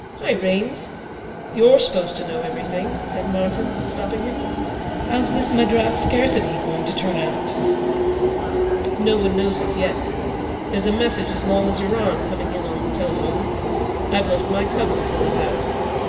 'Hi, Raines; you're supposed to know everything,' said Martyn, stopping him. 'How's this Madras "scarcity" going to turn out?' 'No one knows as yet. There's a message as long as your arm coming in on the telephone. I've left my cub to fill it out.